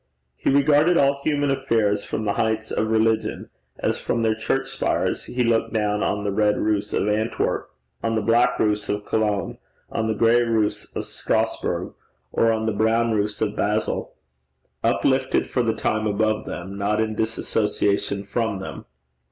He regarded all human affairs from the heights of religion, as from their church spires he looked down on the red roofs of Antwerp, on the black roofs of Cologne, on the gray roofs of Strasburg, or on the brown roofs of Basel uplifted for the time above them, not in dissociation from them.